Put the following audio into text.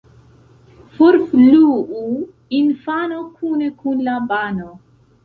Forfluu infano kune kun la bano.